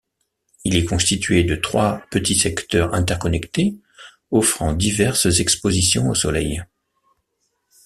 Il est constitué de trois petits secteurs interconnectés, offrant diverses expositions au soleil.